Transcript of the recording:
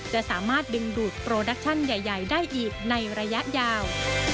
จะสามารถดึงดูดโปรดักชั่นใหญ่ได้อีกในระยะยาว